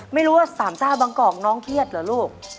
ไม่รู้ว่าสามเจ้าบางกอกน้องเครียดเหรอลูก